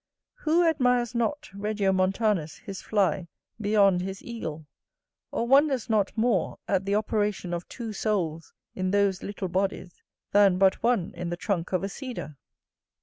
Who admires not Regio Montanus his fly beyond his eagle; or wonders not more at the operation of two souls in those little bodies than but one in the trunk of a cedar?